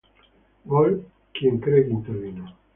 Gol, quien cree que intervino.